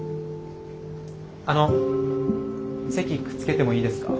あの席くっつけてもいいですか？